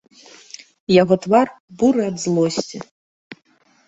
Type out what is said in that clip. Яго твар буры ад злосці.